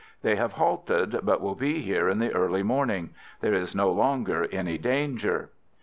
They have halted, but will be here in the early morning. There is no longer any danger."